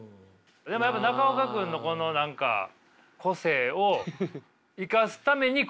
でもやっぱ中岡君のこの何か個性を生かすためにコントも。